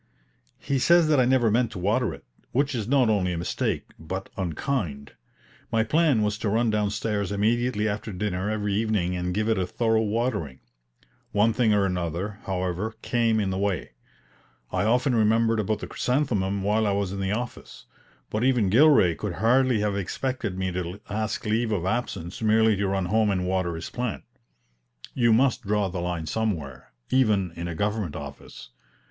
He says that I never meant to water it, which is not only a mistake, but unkind. My plan was to run downstairs immediately after dinner every evening and give it a thorough watering. One thing or another, however, came in the way. I often remembered about the chrysanthemum while I was in the office; but even Gilray could hardly have expected me to ask leave of absence merely to run home and water his plant. You must draw the line somewhere, even in a government office.